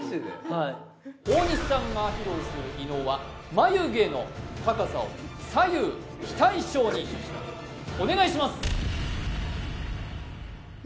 はい大西さんが披露する異能は眉毛の高さを左右非対称にお願いします！